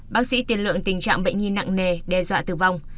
bác sĩ tiền lượng tình trạng bệnh nhi nặng nề đe dọa tử vong